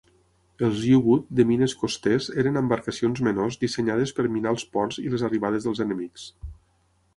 Els U-Boot de mines costers eren embarcacions menors dissenyades per minar els ports i les arribades dels enemics.